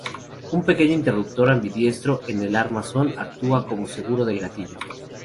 Un pequeño interruptor ambidiestro en el armazón actúa como seguro del gatillo.